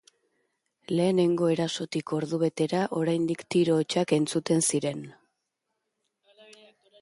Lehenengo erasotik ordubetera, oraindik tiro hotsak entzuten ziren.